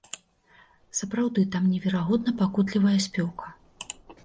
Сапраўды, там неверагодна пакутлівая спёка.